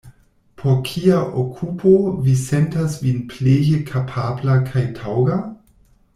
Por kia okupo vi sentas vin pleje kapabla kaj taŭga?